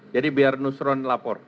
jadi biar nusron lapor